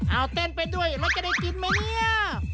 เอาเต้นไปด้วยแล้วจะได้กินไหมเนี่ย